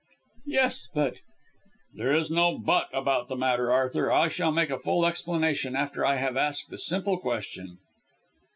"Yes, but " "There is no but about the matter, Arthur. I shall make a full explanation after I have asked a simple question."